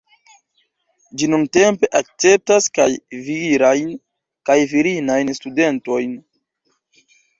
Ĝi nuntempe akceptas kaj virajn kaj virinajn studentojn.